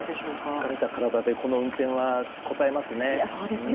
疲れた体で、この運転はこたえますね。